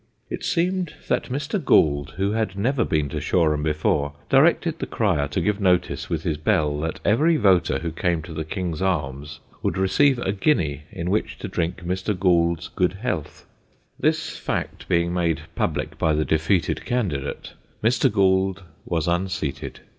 It seemed that Mr. Gould, who had never been to Shoreham before, directed the crier to give notice with his bell that every voter who came to the King's Arms would receive a guinea in which to drink Mr. Gould's good health. This fact being made public by the defeated candidate, Mr. Gould was unseated.